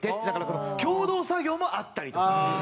だから共同作業もあったりとか。